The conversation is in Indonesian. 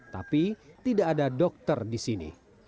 tapi tidak ada dokter di sini